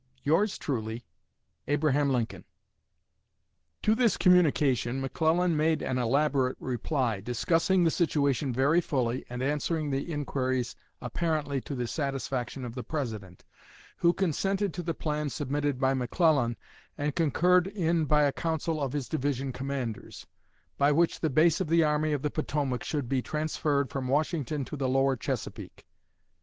Yours truly, ABRAHAM LINCOLN. To this communication McClellan made an elaborate reply, discussing the situation very fully, and answering the inquiries apparently to the satisfaction of the President, who consented to the plan submitted by McClellan and concurred in by a council of his division commanders, by which the base of the Army of the Potomac should be transferred from Washington to the lower Chesapeake.